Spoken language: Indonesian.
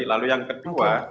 lalu yang kedua